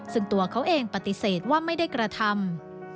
ซึ่งตัวเขาเองปฏิเสธว่าไม่ได้กระทำ